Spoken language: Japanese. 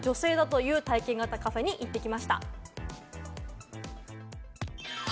客の９割が女性だという体験型カフェに行ってきました。